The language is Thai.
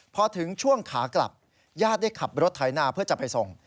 พอถึงช่วงขากลับญาติได้ขับรถไถนาเพื่อจะไปส่ง